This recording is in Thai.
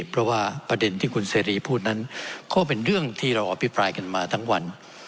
เพราะว่าประเด็นที่คุณเสรีพูดนั้นก็เป็นเรื่องที่เราอภิปรายกันมาทั้งวัน